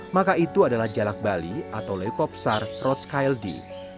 maka itu adalah jalak bali atau leukopsar rotskildi